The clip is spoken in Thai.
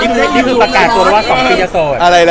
นี่คือประกาศว่า๒ปีจะโสด